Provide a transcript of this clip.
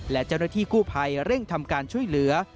และเจ้าหน้าที่กู้ภัยเร่งทำการช่วยเหลือ